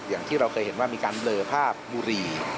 อย่างที่เราเคยเห็นว่ามีการเบลอภาพบุหรี่